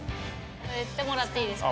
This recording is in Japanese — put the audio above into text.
やってもらっていいですか？